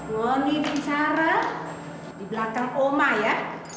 logi bicara di belakang oma ya